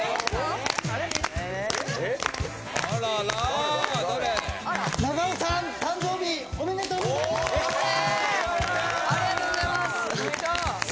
ありがとうございます！